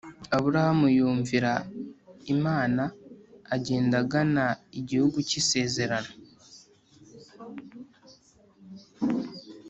aburahamu yumvira imana agenda agana igihugu cy’isezerano